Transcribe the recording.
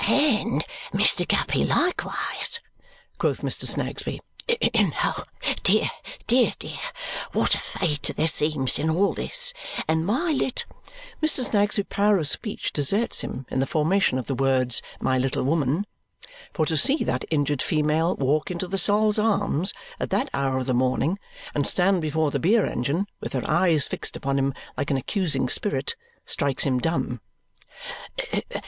"And Mr. Guppy likewise!" quoth Mr. Snagsby. "Dear, dear, dear! What a fate there seems in all this! And my lit " Mr. Snagsby's power of speech deserts him in the formation of the words "my little woman." For to see that injured female walk into the Sol's Arms at that hour of the morning and stand before the beer engine, with her eyes fixed upon him like an accusing spirit, strikes him dumb.